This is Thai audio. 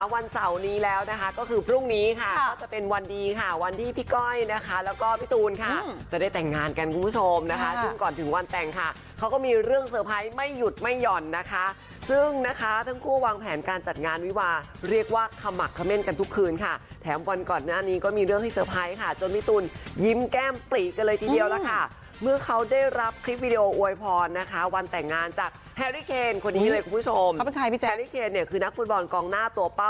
วันเสาร์นี้แล้วนะคะก็คือพรุ่งนี้ค่ะก็จะเป็นวันดีค่ะวันที่พี่ก้อยนะคะแล้วก็พี่ตูนค่ะจะได้แต่งงานกันคุณผู้ชมนะคะซึ่งก่อนถึงวันแต่งค่ะเขาก็มีเรื่องเซอร์ไพรส์ไม่หยุดไม่หย่อนนะคะซึ่งนะคะทั้งคู่วางแผนการจัดงานวิวาร์เรียกว่าขมักขเม่นกันทุกคืนค่ะแถมวันก่อนหน้านี้ก็มีเรื่องที่เซอร์ไพรส์ค่ะ